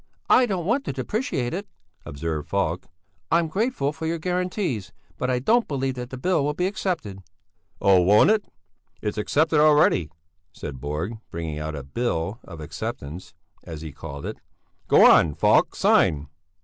"I don't want to depreciate it," observed Falk. "I'm grateful for your guarantees, but I don't believe that the bill will be accepted." "Oh, won't it! It's accepted already," said Borg, bringing out a bill of acceptance, as he called it. "Go on, Falk, sign!"